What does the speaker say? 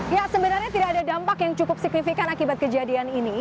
ya sebenarnya tidak ada dampak yang cukup signifikan akibat kejadian ini